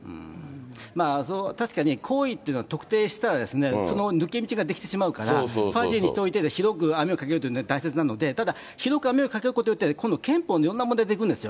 確かに行為というのは特定したら、その抜け道ができてしまうから、ファジーにしておいて、広く網をかけるというのは大切なので、ただ、広く網をかけることによって、今度、憲法のいろんな問題出てくるんですよ。